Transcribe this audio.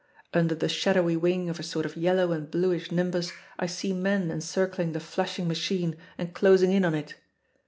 Under the shadowy wing of a sort of yellow and bluish nimbus I see men encircling the flashing machine and closing in on it.